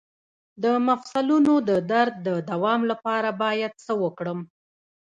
د مفصلونو د درد د دوام لپاره باید څه وکړم؟